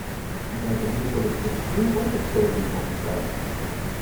In seiner Familie soll es zu vielen Unglücksfällen gekommen sein.